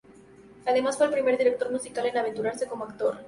Además fue el primer director musical en aventurarse como actor.